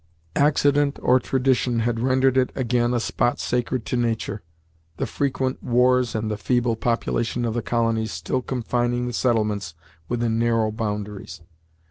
Accident or tradition had rendered it again a spot sacred to nature, the frequent wars and the feeble population of the colonies still confining the settlements within narrow boundaries.